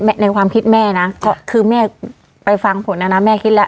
ในในความคิดแม่นะก็คือแม่ไปฟังผลนะนะแม่คิดแล้ว